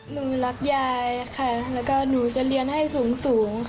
หนูรักยายค่ะแล้วก็หนูจะเรียนให้สูงค่ะ